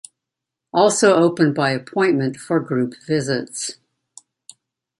Also open by appointment for group visits.